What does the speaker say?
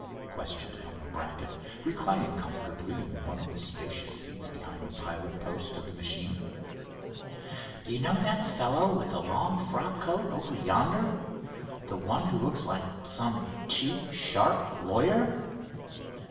questioned Elmer Brackett, reclining comfortably in one of the spacious seats behind the pilot post of the machine. "Do you know that fellow with the long frock coat over yonder—the one who looks like some cheap sharp lawyer?